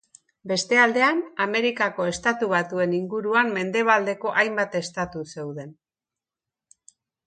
Beste aldean Amerikako Estatu Batuen inguruan mendebaldeko hainbat estatu zeuden.